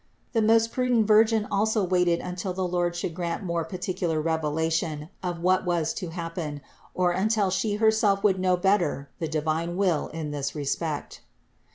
The most prudent Virgin also waited until the Lord should grant more particular revelation of what was to happen, or until She herself would know better the divine will in this respect.